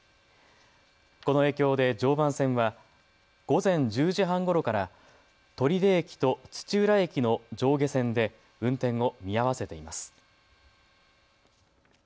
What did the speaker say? この影響で常磐線は午前１０時半ごろから取手駅と土浦駅の上下線で運転を見合わせています。